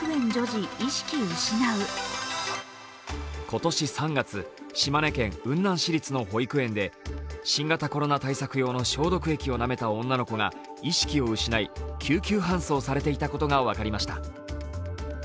今年３月島根県雲南市立の保育園で新型コロナ対策用の消毒液をなめた女の子が意識を失い救急搬送されていたことが分かりました。